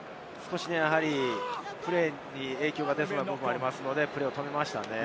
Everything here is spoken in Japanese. プレーに影響が出そうなところがありますので止めましたね。